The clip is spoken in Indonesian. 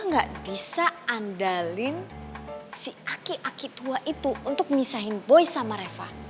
gak bisa andalin si aki aki tua itu untuk misahin boy sama reva